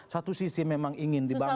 satu sisi memang ingin dibangun